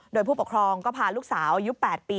โดยผู้ปกครองก็พาลูกสาวอายุ๘ปี